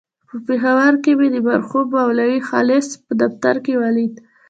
په پېښور کې مې د مرحوم مولوي خالص په دفتر کې ولید.